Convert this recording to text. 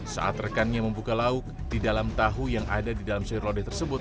saat rekannya membuka lauk di dalam tahu yang ada di dalam sirlode tersebut